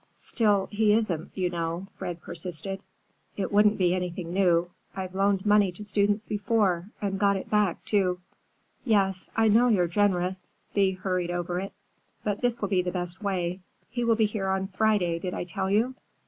"Still, he isn't, you know," Fred persisted. "It wouldn't be anything new. I've loaned money to students before, and got it back, too." "Yes; I know you're generous," Thea hurried over it, "but this will be the best way. He will be here on Friday did I tell you?"